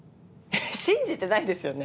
信じてないですよね？